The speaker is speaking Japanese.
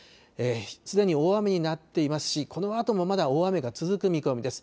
すでに大雨になっていますし、このあともまだ大雨が続く見込みです。